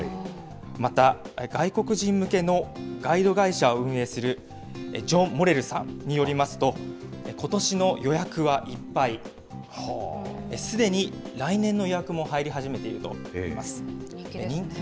また、外国人向けのガイド会社を運営するジョン・モレルさんによりますと、ことしの予約はいっぱい、すでに来年の予約も入り始めているといいます。